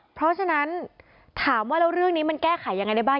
เพราะฉะนั้นถามว่าแล้วเรื่องนี้มันแก้ไขยังไงได้บ้าง